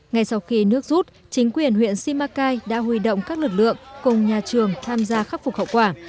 ngay sau khi nước rút chính quyền huyện simacai đã huy động các lực lượng cùng nhà trường tham gia khắc phục hậu quả